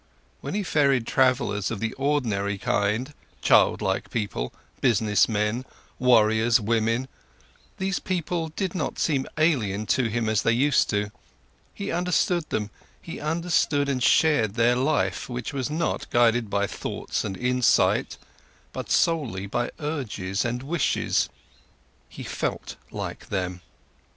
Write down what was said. When he ferried travellers of the ordinary kind, childlike people, businessmen, warriors, women, these people did not seem alien to him as they used to: he understood them, he understood and shared their life, which was not guided by thoughts and insight, but solely by urges and wishes, he felt like them.